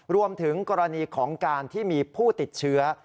รวมถึงกรณีของการที่มีผู้ติดเชื้อ